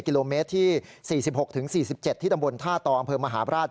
กิโลเมตรที่๔๖๔๗ที่ตำบลท่าต่ออำเภอมหาบราช